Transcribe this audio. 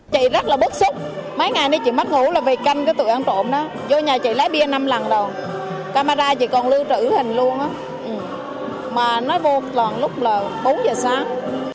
chị rất là bất xúc mấy ngày nay chị mất ngủ là về canh cái tội án trộm đó vô nhà chị lấy bia năm lần rồi camera chị còn lưu trữ hình luôn á mà nó vô toàn lúc là bốn giờ sáng